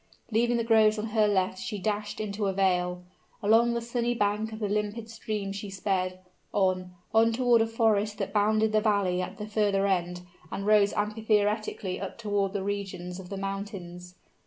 Leaving the groves on her left she dashed into the vale. Along the sunny bank of the limpid stream she sped; on, on toward a forest that bounded the valley at the further end, and rose amphitheatrically up toward the regions of the mountains!